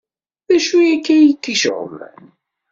D acu akka ay k-iceɣben?